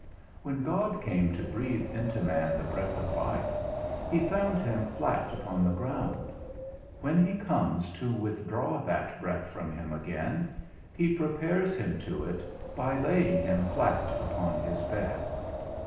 When God came to breathe into man the breath of life, he found him flat upon the ground; when he comes to withdraw that breath from him again, he prepares him to it by laying him flat upon his bed.